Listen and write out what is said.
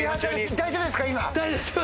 大丈夫です。